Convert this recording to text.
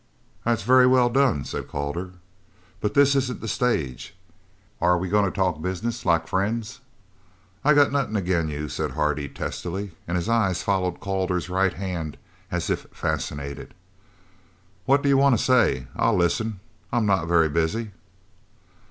"That's very well done," said Calder. "But this isn't the stage. Are we going to talk business like friends?" "I've got nothing agin you," said Hardy testily, and his eyes followed Calder's right hand as if fascinated. "What do you want to say? I'll listen. I'm not very busy."